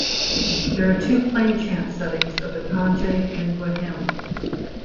There are two plainchant settings of the Pange lingua hymn.